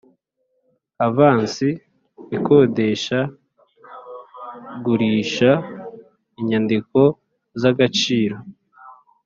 avansi ikodesha gurisha inyandiko z agaciro